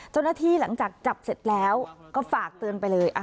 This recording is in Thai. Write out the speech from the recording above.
เจ้าหน้าที่หลังจากจับเสร็จแล้วก็ฝากเตือนไปเลย